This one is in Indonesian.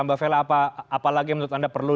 mbak vela apalagi menurut anda perlu